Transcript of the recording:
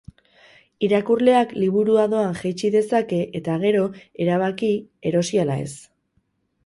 Irakurleak liburua doan jaitsi dezake, eta gero erabaki erosi ala ez.